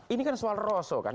ini kan soal roso kan